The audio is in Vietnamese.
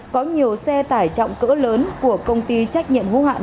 có nhiều xe tải trọng cỡ lớn của công ty trách nhiệm hữu hạn